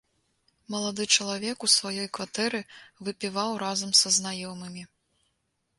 Малады чалавек у сваёй кватэры выпіваў разам са знаёмымі.